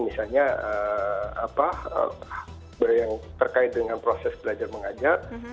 misalnya yang terkait dengan proses belajar mengajar